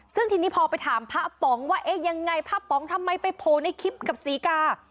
ซึ่งทีนี้พอไปถามพระป๋องว่าเอ๊ะยังไงพระป๋องทำไมไปโผล่ในคลิปกับศรีกา